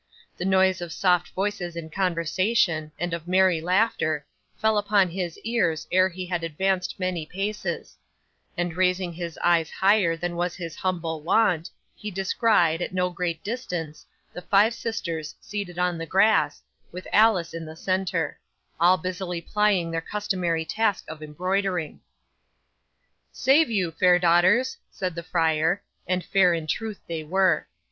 The noise of soft voices in conversation, and of merry laughter, fell upon his ears ere he had advanced many paces; and raising his eyes higher than was his humble wont, he descried, at no great distance, the five sisters seated on the grass, with Alice in the centre: all busily plying their customary task of embroidering. '"Save you, fair daughters!" said the friar; and fair in truth they were.